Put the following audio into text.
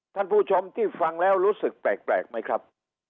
ท่านผู้ชมที่ฟังแล้วรู้สึกแปลกไหมครับ